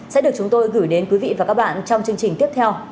sẽ được chúng tôi gửi đến quý vị và các bạn trong chương trình tiếp theo